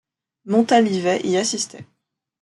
Montalivet y assistait.